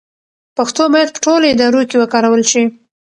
پښتو باید په ټولو ادارو کې وکارول شي.